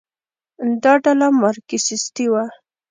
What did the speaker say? دا ډله مارکسیستي وه.